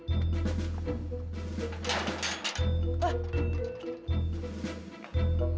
tidak ada korepot